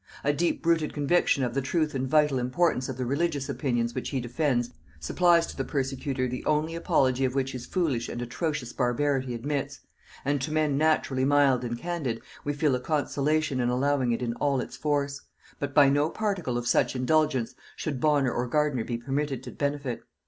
A deep rooted conviction of the truth and vital importance of the religious opinions which he defends, supplies to the persecutor the only apology of which his foolish and atrocious barbarity admits; and to men naturally mild and candid, we feel a consolation in allowing it in all its force; but by no particle of such indulgence should Bonner or Gardiner be permitted to benefit.